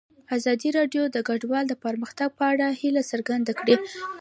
ازادي راډیو د کډوال د پرمختګ په اړه هیله څرګنده کړې.